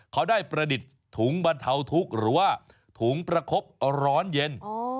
เขาได้ประดิษฐ์ถุงบรรเทาทุกข์หรือว่าถุงประคบร้อนเย็น